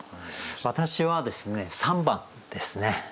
私はですね３番ですね。